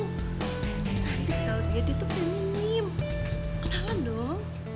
tapi kalo dia dia tuh pun nyinyim kenalan dong